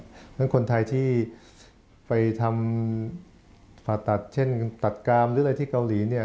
ไว้ซื้อฉะนั้นคนไทยไปทำภาทัศน์เช่นตัดกรามหรืออะไรที่เกาหลีเนี่ย